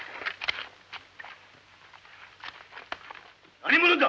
何者だ！